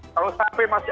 kalau sampai masuk